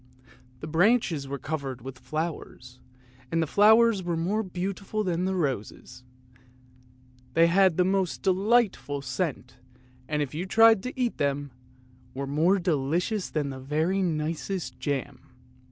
The branches were covered with flowers, and the flowers were more beautiful than roses; they had the most delightful scent, and, if you tried to eat them, were more delicious than the very nicest jam.